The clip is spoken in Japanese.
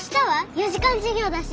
四時間授業だし。